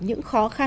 những khó khăn